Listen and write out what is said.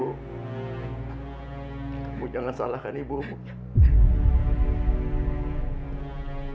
kamu jangan salahkan ibumu